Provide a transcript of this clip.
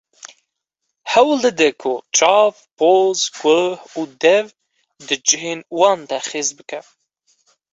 Hewl dide ku çav, poz, guh û dev di cihê wan de xêz bike.